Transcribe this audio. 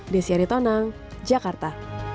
desyari tonang jakarta